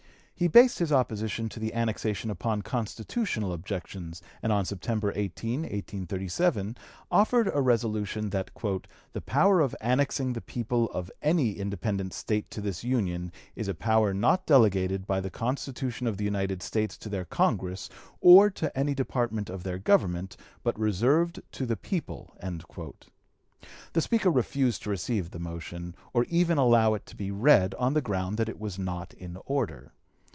He based his opposition to the annexation upon constitutional objections, and on September 18, 1837, offered a resolution that "the power of annexing the people of any independent State to this Union is a power not delegated by the Constitution of the United States to their Congress or to any department of their government, but reserved to the people." The Speaker refused to receive the motion, or even allow it to be read, on the ground that it was not in order.